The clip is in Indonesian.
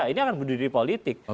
ini akan bunuh diri politik